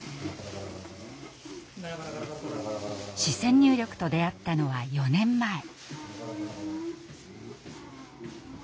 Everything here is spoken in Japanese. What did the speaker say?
視線入力と出会ったのは４年前。